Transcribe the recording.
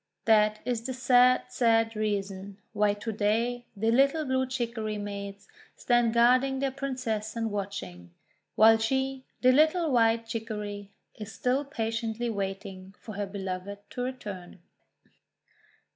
That is the sad, sad reason why to day the little Blue Chicory maids stand guarding their Princess and watching; while she, the little White Chicory, is still patiently waiting for her Beloved to return.